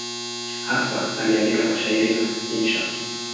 Hasa aliandika mashairi na insha.